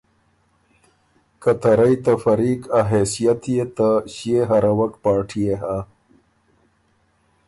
که ته رئ ته فریق ا حېثئت يې ته ݭيې هروَک پارټيې هۀ۔